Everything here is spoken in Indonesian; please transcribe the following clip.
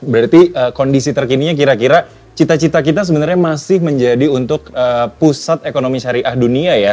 berarti kondisi terkininya kira kira cita cita kita sebenarnya masih menjadi untuk pusat ekonomi syariah dunia ya